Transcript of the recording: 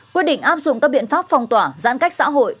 quyết định áp dụng các biện pháp phong tỏa giãn cách xã hội